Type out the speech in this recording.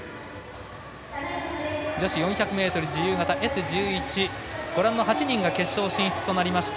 女子４００ｍ自由形Ｓ１１ご覧の８人が決勝進出となりました。